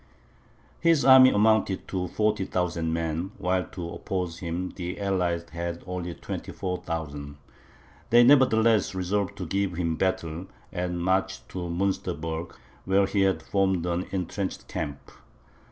His army amounted to 40,000 men, while to oppose him the allies had only 24,000. They nevertheless resolved to give him battle, and marched to Munsterberg, where he had formed an intrenched camp.